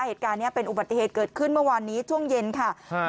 เหตุการณ์เนี้ยเป็นอุบัติเหตุเกิดขึ้นเมื่อวานนี้ช่วงเย็นค่ะ